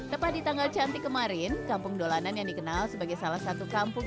tepat di tanggal cantik kemarin kampung dolanan yang dikenal sebagai salah satu kampung